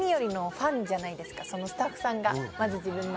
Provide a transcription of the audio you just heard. そのスタッフさんがまず自分の。